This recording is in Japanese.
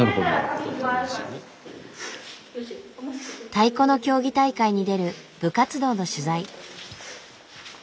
太鼓の競技大会に出る部活動の取材。